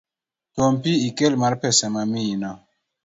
Tuom pi ikel mar pesa mamiyino